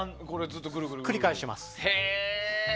繰り返しています。